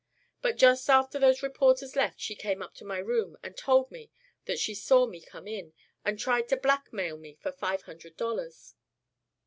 But just after those reporters left she came up to my room and told me that she saw me come in, and tried to blackmail me for five hundred dollars.